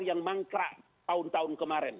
yang mangkrak tahun tahun kemarin